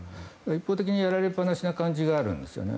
一方的にやられっぱなしな感じがあるんですね。